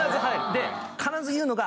で必ず言うのが。